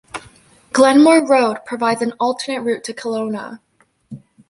Glenmore Road provides an alternate route to Kelowna.